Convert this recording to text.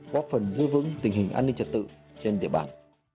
góp phần giữ vững tình hình an ninh trật tự trên địa bàn